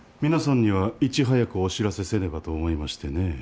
皆さんにはいち早くお知らせせねばと思いましてね。